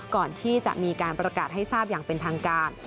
ก่อนที่จะมีการประกาศให้ทราบอย่างเป็นทางการ